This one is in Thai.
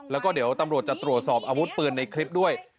แล้วก็เดี๋ยวตำรวจจะตรวจสอบอาวุธปืนในคลิปด้วย